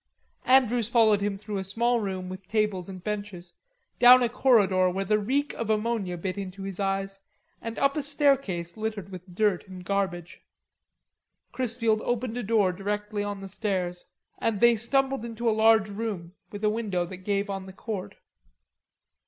Andrews followed him through a small room with tables and benches, down a corridor where the reek of ammonia bit into his eyes, and up a staircase littered with dirt and garbage. Chrisfield opened a door directly on the stairs, and they stumbled into a large room with a window that gave on the court.